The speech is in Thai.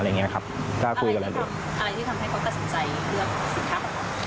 อะไรที่ทำให้เขาก็สนใจเลือกสิทธิ์ครับ